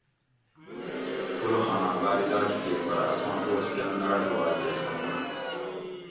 گل خاناں باۤر علاج کیر پرہ اساں دوس کۤن نہ رٹ وائے تے سہ مُور